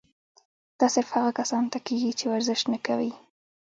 دا صرف هغه کسانو ته کيږي چې ورزش نۀ کوي